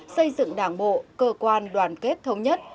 xây dựng đảng bộ cơ quan đoàn kết thống nhất